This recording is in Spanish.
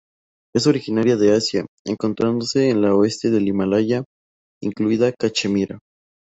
Es originaria de Asia, encontrándose en el oeste del Himalaya, incluida Cachemira.